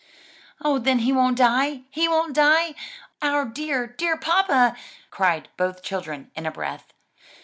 "Oh then he won't die! he won't die, our dear, dear papa!" cried both children in a breath.